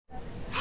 あ！